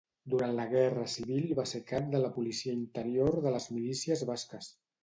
Durant la Guerra Civil va ser cap de la policia interior de les Milícies Basques.